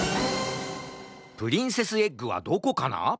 プリンセスエッグはどこかな？